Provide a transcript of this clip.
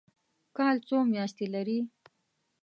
کال څو میاشتې لري؟